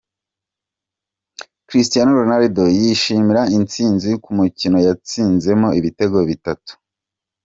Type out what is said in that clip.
Cristiano Ronaldo yishimira intsinzi ku mukino yatsinzemo ibitego bitanu.